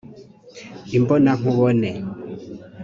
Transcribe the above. imbona-nkubone